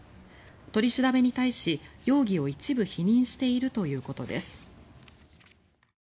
取り調べに対し容疑を一部否認しているということです。